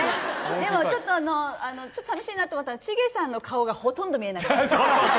でもちょっと寂しいなと思ったのは、チゲさんの顔がほとんど見えないの。